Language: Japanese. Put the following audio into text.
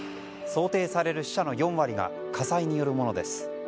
想定される死者の４割が火災によるものです。